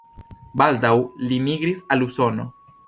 Baldaŭ li migris al Usono.